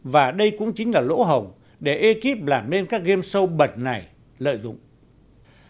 và đây cũng chính là lỗ hồng để ekip làm nên các bạn có thể tham gia thông tin và truyền thông tin